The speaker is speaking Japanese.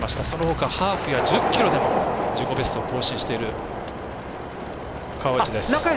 そのほかハーフは１０ｋｍでも自己ベストを更新している川内です。